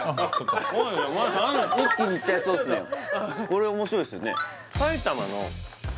これ面白いっすよね